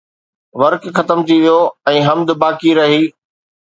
ورق ختم ٿي ويو ۽ حمد باقي رهي